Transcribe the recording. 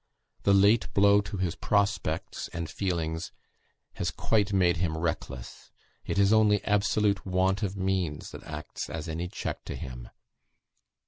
The late blow to his prospects and feelings has quite made him reckless. It is only absolute want of means that acts as any check to him.